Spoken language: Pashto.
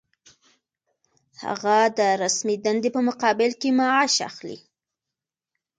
هغه د رسمي دندې په مقابل کې معاش اخلي.